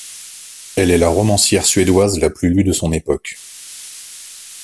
Elle est la romancière suédoise la plus lue de son époque.